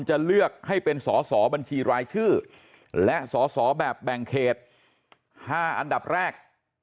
จะเลือกให้เป็นสอสอบัญชีรายชื่อและสอสอแบบแบ่งเขต๕อันดับแรก